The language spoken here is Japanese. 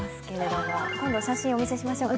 今度、写真お見せしましょうか？